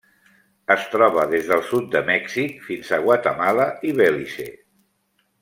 Es troba des del sud de Mèxic fins a Guatemala i Belize.